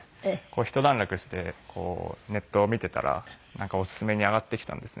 ひと段落してネットを見ていたらオススメに上がってきたんですね。